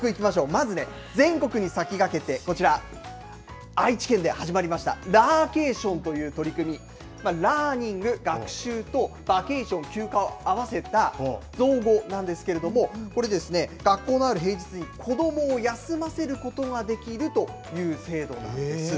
まずね、全国に先駆けて、こちら、愛知県で始まりました、ラーケーションという取り組み、ラーニング・学習と、バケーション・休暇を合わせた造語なんですけれども、これですね、学校のある平日に子どもを休ませることができるという制度なんです。